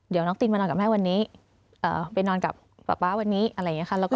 เดี๋ยวน้องตินมานอนกับแม่วันนี้ไปนอนกับป๊าป๊าวันนี้อะไรอย่างนี้ค่ะ